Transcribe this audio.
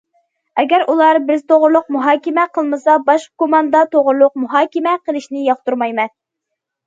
ئەگەر ئۇلار بىز توغرىلىق مۇھاكىمە قىلمىسا، باشقا كوماندا توغرىلىق مۇھاكىمە قىلىشنى ياقتۇرمايمەن.